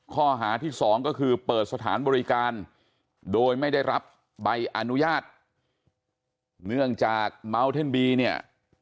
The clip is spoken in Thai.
ข้อหาที่สองก็คือเปิดสถานบริการโดยไม่ได้รับใบอนุญาตเนื่องจากเมาเท่นบีเนี่ย